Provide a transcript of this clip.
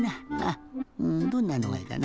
うんどんなのがいいかな。